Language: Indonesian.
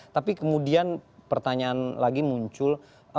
tapi kemudian pertanyaan lagi muncul